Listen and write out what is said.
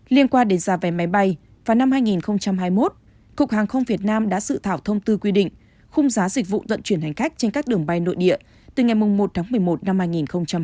liên quan đến giá vé máy bay vào năm hai nghìn hai mươi một cục hàng không việt nam đã dự thảo thông tư quy định khung giá dịch vụ dận chuyển hành khách trên các đường bay nội địa từ ngày một tháng một mươi một năm hai nghìn hai mươi một đến hết ngày ba mươi một tháng một mươi năm hai nghìn hai mươi hai